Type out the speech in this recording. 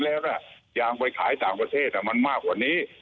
แยงไปขายต่างประเทศน่ะมากมากกว่านี้